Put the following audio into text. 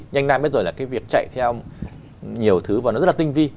nhanh nam bây giờ là cái việc chạy theo nhiều thứ và nó rất là tinh vi